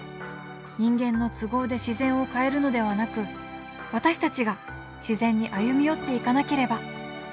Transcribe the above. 人間の都合で自然を変えるのではなく私たちが自然に歩み寄っていかなければ。